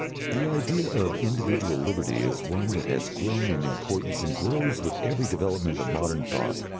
The idea of individual liberty is one that has grown in importance and grows with every development of modern thought.